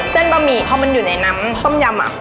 เส้นปะหมี่พอมันอยู่ในน้ำต้มยำอ่ะ